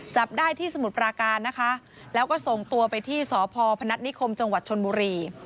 จับได้ที่สมุทรปราการนะคะแล้วก็ส่งตัวไปที่สพพนัฐนิคมจังหวัดชนบุรี